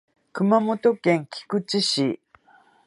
熊本県菊池市